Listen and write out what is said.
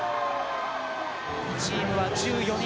チームは１４人。